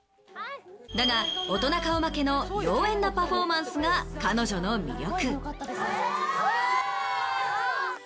だが大人顔負けの妖艶なパフォーマンスが彼女の魅力。